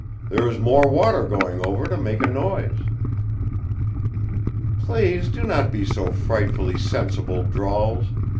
There is more water going over to make a noise." "Please do not be so frightfully sensible, Drawls.